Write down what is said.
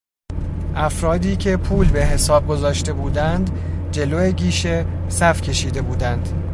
افرادی که پول به حساب گذاشته بودند جلو گیشه صف کشیده بودند.